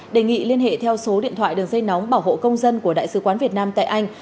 đề nghị liên hệ theo số điện thoại đường dây nóng bảo hộ công dân của đại sứ quán việt nam tại anh